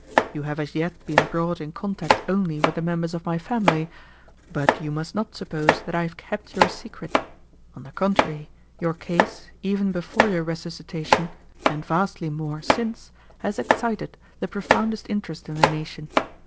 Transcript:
You have as yet been brought in contact only with the members of my family, but you must not suppose that I have kept your secret. On the contrary, your case, even before your resuscitation, and vastly more since has excited the profoundest interest in the nation.